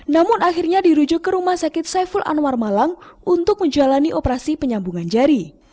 namun akhirnya dirujuk ke rumah sakit saiful anwar malang untuk menjalani operasi penyambungan jari